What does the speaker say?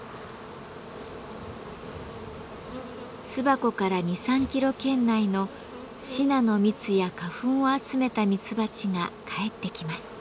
巣箱から２３キロ圏内のシナの蜜や花粉を集めたミツバチが帰ってきます。